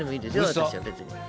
私は別に。